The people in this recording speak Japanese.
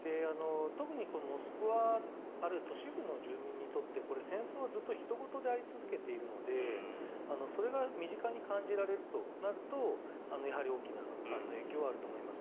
特にモスクワあるいは都市部の住民にとって戦争はずっとひと事であり続けているのでそれが身近に感じられるとなるとやはり大きな影響はあると思います。